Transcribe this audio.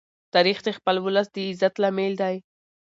تاریخ د خپل ولس د عزت لامل دی.